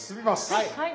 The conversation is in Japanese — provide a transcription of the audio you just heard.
はい。